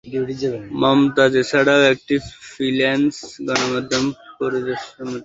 মমতাজ এছাড়াও একটি ফ্রিল্যান্স গণমাধ্যম পরামর্শদাতা।